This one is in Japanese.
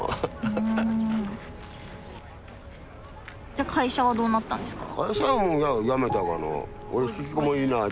じゃ会社はどうなったんですか？